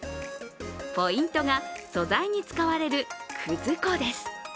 ポイントが素材に使われる、くず粉です。